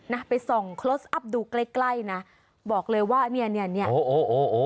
นะไปส่องคลอสอัพดูใกล้นะบอกเลยว่าเนี่ยเนี่ยเนี่ยโอ้โหโอ้โห